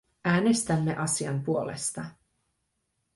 Äänestämme asian puolesta.